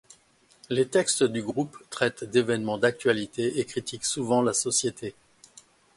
Les textes du groupe traitent d'événements d'actualité et critiquent souvent la société.